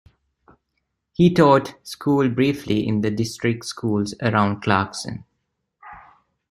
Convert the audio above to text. He taught school briefly in the district schools around Clarkson.